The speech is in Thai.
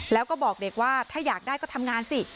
แล้วก็บอกเด็กว่าถ้าอยากได้ก็ทำงานสิ